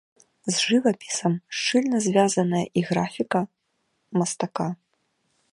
З жывапісам шчыльна звязаная і графіка мастака.